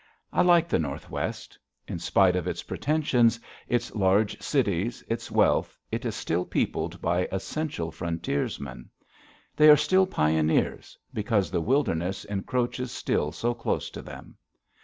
I like the Northwest. In spite of its pretensions, its large cities, its wealth, it is still peopled by essential frontiersmen. They are still pioneers because the wilderness encroaches still so close to them.